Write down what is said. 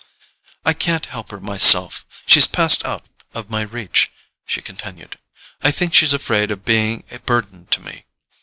"I can't help her myself: she's passed out of my reach," she continued. "I think she's afraid of being a burden to me.